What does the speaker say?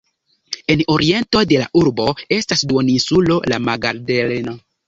En oriento de la urbo estas duoninsulo La Magdalena.